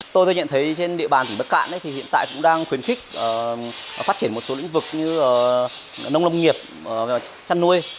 tôi nhận thấy trên địa bàn tỉnh bắc cạn thì hiện tại cũng đang khuyến khích phát triển một số lĩnh vực như nông lâm nghiệp chăn nuôi